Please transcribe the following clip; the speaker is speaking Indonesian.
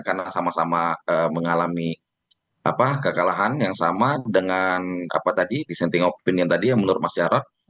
karena sama sama mengalami kekalahan yang sama dengan apa tadi dissenting opinion tadi ya menurut mas jarot